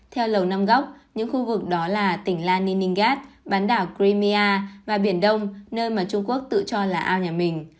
theo lầu năm góc những khu vực đó là tỉnh lan ninh ninh gat bán đảo crimea và biển đông nơi mà trung quốc tự cho là ao nhà mình